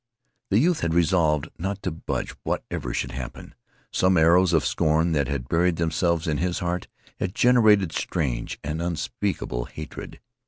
The youth had resolved not to budge whatever should happen. Some arrows of scorn that had buried themselves in his heart had generated strange and unspeakable hatred.